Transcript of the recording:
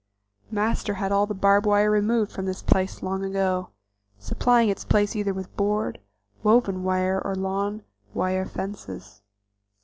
Master had all the barb wire removed from this place long ago, supplying its place either with board, woven wire or lawn wire fences.